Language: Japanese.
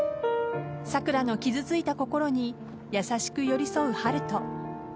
さくらの傷ついた心に優しく寄り添う春斗。